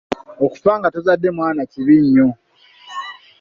Okufa nga tozadde mwana kibi nnyo.